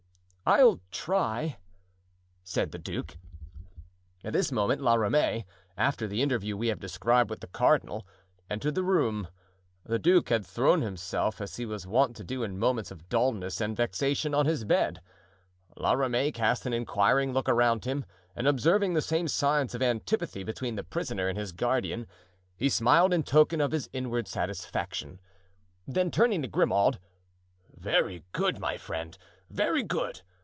"I'll try," said the duke. At this moment La Ramee, after the interview we have described with the cardinal, entered the room. The duke had thrown himself, as he was wont to do in moments of dullness and vexation, on his bed. La Ramee cast an inquiring look around him and observing the same signs of antipathy between the prisoner and his guardian he smiled in token of his inward satisfaction. Then turning to Grimaud: "Very good, my friend, very good.